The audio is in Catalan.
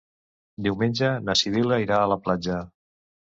Diumenge na Sibil·la irà a la platja.